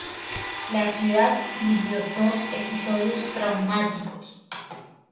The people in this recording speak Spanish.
La ciudad vivió dos episodios traumáticos.